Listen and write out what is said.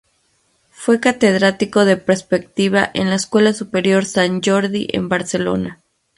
Fue catedrático de Perspectiva en la Escuela Superior Sant Jordi en Barcelona.